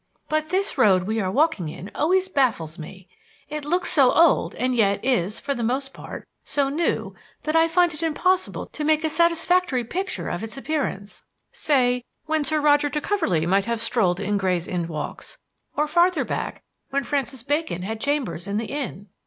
But this road we are walking in always baffles me. It looks so old and yet is, for the most part, so new that I find it impossible to make a satisfactory picture of its appearance, say, when Sir Roger de Coverley might have strolled in Gray's Inn Walks, or farther back, when Francis Bacon had chambers in the Inn."